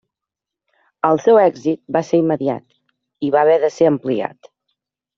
El seu èxit va ser immediat i va haver de ser ampliat.